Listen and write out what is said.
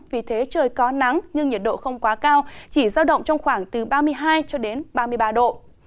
vì thế trời có nắng nhưng nhiệt độ không quá cao chỉ giao động trong khoảng từ ba mươi hai cho đến ba mươi ba độ